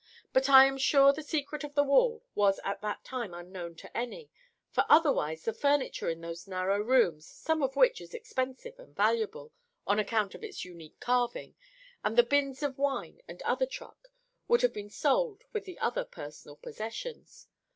But I am sure the secret of the wall was at that time unknown to any, for otherwise the furniture in those narrow rooms, some of which is expensive and valuable on account of its unique carving, and the bins of wine and other truck, would have been sold with the other 'personal possessions.